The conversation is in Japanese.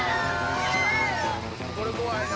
これ怖いな。